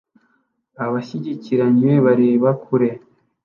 Abashyingiranywe bareba kure